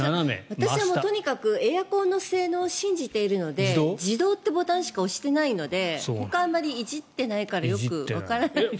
私はとにかくエアコンの性能を信じているので自動ってボタンしか押してないのでほかはあまりいじってないからわからないです。